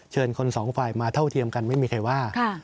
คนสองฝ่ายมาเท่าเทียมกันไม่มีใครว่า